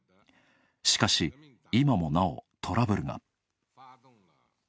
しかし、今もなおトラブルが。